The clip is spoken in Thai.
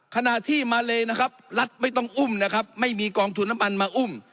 ขณะที่มาเลนะครับรัฐไม่ต้องอุ้มนะครับไม่มีกองทุนน้ำมันมาอุ้ม